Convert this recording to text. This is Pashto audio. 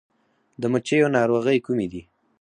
د مچیو ناروغۍ کومې دي؟